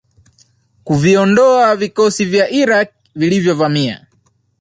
kuviondoavikosi vya Iraq vilivyo vamia